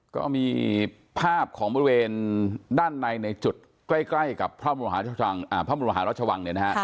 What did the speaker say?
ก็มีภาพของบริเวณด้านในในจุดใกล้กับพระบรมหาราชวัง